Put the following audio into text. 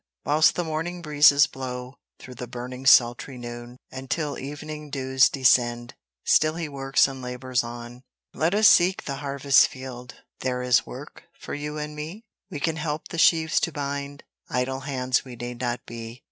Whilst the morning breezes blow, Through the burning sultry noon, And till evening dews descend, Still he works and labours on. Let us seek the harvest field, There is work for you and me? We can help the sheaves to bind: Idle hands we need not be.